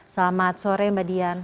selamat sore mbak dian